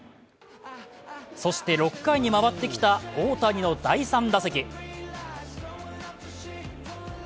そして６回に回ってきた大谷の第３打席。